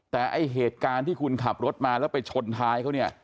แต่เมอร์ที่การขับรถมาแล้วไปชดท้ายเค้าเนี่ย